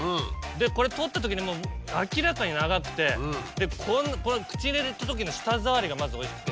これ取ったときにもう明らかに長くてこの口に入れたときの舌触りがまずおいしくて。